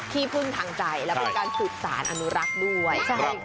ที่พึ่งทางใจและเป็นการสืบสารอนุรักษ์ด้วยใช่ค่ะ